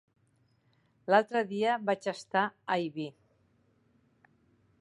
L'altre dia vaig estar a Ibi.